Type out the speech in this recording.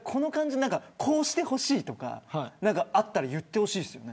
こうしてほしいとかあったら言ってほしいですよね。